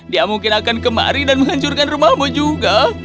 dia mungkin akan kemari dan menghancurkan rumahmu juga